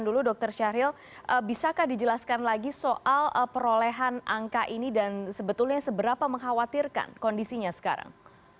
dulu dr syahril bisakah dijelaskan lagi soal perolehan angka ini dan sebetulnya seberapa mengkhawatirkan kondisinya sekarang